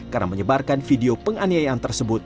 karena menyebarkan video penganiayaan tersebut